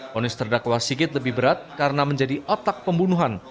fonis terdakwa sigit lebih berat karena menjadi otak pembunuhan